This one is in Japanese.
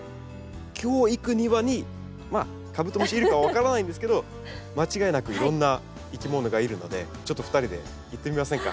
今日行く庭にまあカブトムシいるか分からないんですけど間違いなくいろんないきものがいるのでちょっと２人で行ってみませんか？